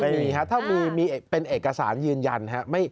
ไม่มีครับถ้ามีเป็นเอกสารยืนยันครับ